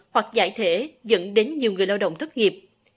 hoặc giải thể dẫn đến nhiều người lao động thất nghiệp